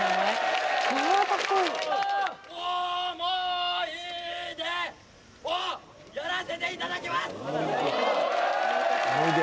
「思い出」をやらせていただきます！